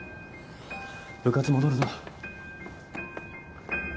部活戻るぞ。